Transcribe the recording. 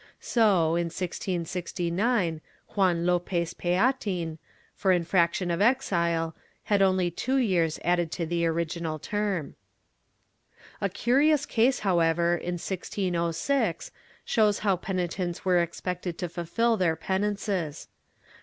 So in 1669, Juan Lopez Peatin, for infraction of exile, had only two years added to the original term.'* A curious case, however, in 1606, shows how penitents were expected to fulfil their penances.